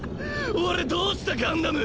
ほれどうしたガンダム！